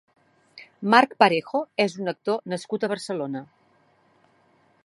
Marc Parejo és un actor nascut a Barcelona.